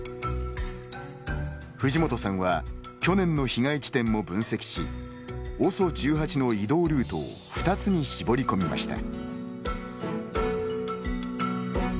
藤本さんは去年の被害地点も分析しＯＳＯ１８の移動ルートを２つに絞り込みました。